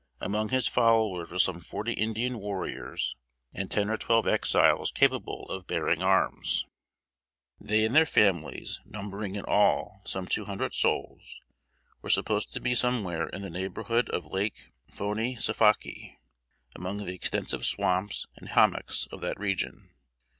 Among his followers were some forty Indian warriors and ten or twelve Exiles capable of bearing arms. They and their families, numbering in all some two hundred souls, were supposed to be somewhere in the neighborhood of Lake "Fonee Safakee," among the extensive swamps and hommocks of that region.